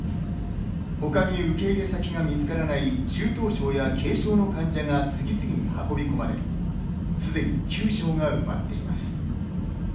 ほかに受け入れ先が見つからない中等症や軽症の患者が次々に運び込まれすでに９床が埋まっています。